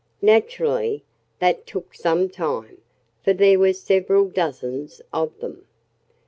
Naturally, that took some time, for there were several dozens of them.